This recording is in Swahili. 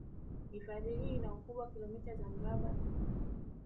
Hifadhi hii ina ukubwa wa kilometa za mraba